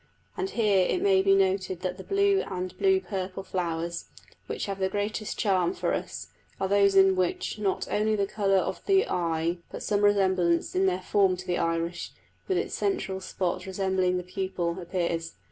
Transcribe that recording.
And here it may be noted that the blue and blue purple flowers, which have the greatest charm for us, are those in which not only the colour of the eye but some resemblance in their form to the iris, with its central spot representing the pupil, appears.